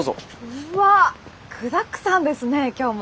うわっ具だくさんですね今日も。